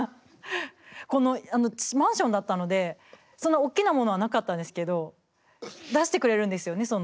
マンションだったのでそんなおっきなものはなかったんですけど出してくれるんですよね。